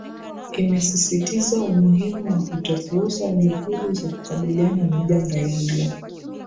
Imesisitiza umuhimu wa kutopuuzia juhudi za kukabiliana na janga hilo